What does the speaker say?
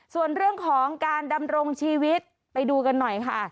ส่วนเรื่องของการดำรงชีวิตไปดูกันหน่อยค่ะ